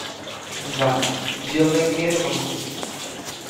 vale , yo me quedo contigo .